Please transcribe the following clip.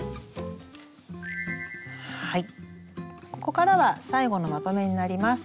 ここからは最後のまとめになります。